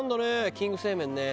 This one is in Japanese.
キング製麺ね。